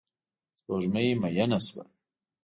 سپوږمۍ میینه شوه